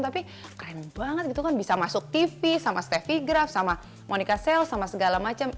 tapi keren banget gitu kan bisa masuk tv sama stefi graf sama monica sale sama segala macam